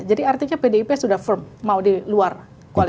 jadi artinya pdip sudah firm mau di luar koalisi